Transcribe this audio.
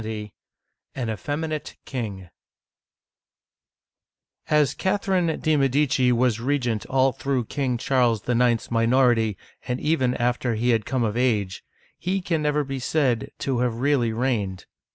LXX. AN EFFEMINATE KING AS Catherine de* Medici was regent all through King Charles IX.'s minority and even after he had come of age, he can never be said to have really reigned.